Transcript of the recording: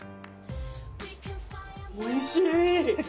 おいしい！